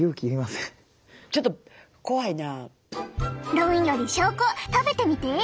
論より証拠食べてみて！